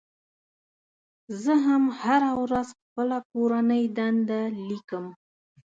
زه هم هره ورځ خپله کورنۍ دنده لیکم.